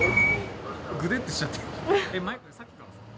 ぐでっとしちゃってる。